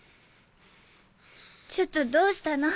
ちょっとどうしたの？